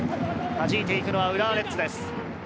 はじいていくのは浦和レッズです。